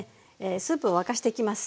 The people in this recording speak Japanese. スープを沸かしていきます。